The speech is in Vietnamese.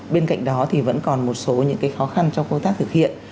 bên cạnh đó thì vẫn còn một số những khó khăn trong công tác thực hiện